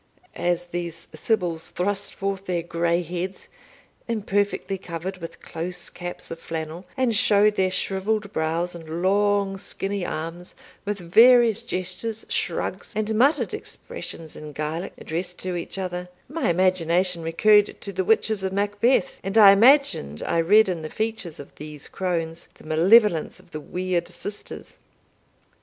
As these sibyls thrust forth their grey heads, imperfectly covered with close caps of flannel, and showed their shrivelled brows, and long skinny arms, with various gestures, shrugs, and muttered expressions in Gaelic addressed to each other, my imagination recurred to the witches of Macbeth, and I imagined I read in the features of these crones the malevolence of the weird sisters.